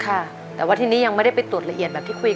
คุณยายแดงคะทำไมต้องซื้อลำโพงและเครื่องเสียง